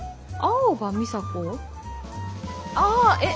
ああえっ